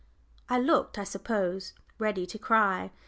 I looked, I suppose ready to cry.